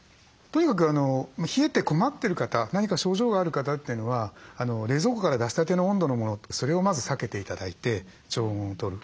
とにかく冷えて困ってる方何か症状がある方っていうのは冷蔵庫から出したての温度のものそれをまず避けて頂いて常温をとる。